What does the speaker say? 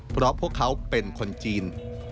เพราะพวกเขาเป็นคนจีน